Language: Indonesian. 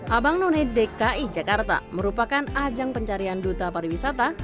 abang none dki jakarta merupakan ajang pencarian duta pariwisata